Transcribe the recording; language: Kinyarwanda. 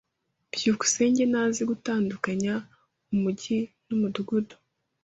byukusenge ntazi gutandukanya umujyi numudugudu.